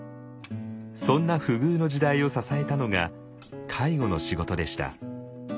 そんな不遇の時代を支えたのが介護の仕事でした。